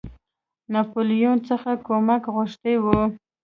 ناپولیون څخه کومک غوښتی وو.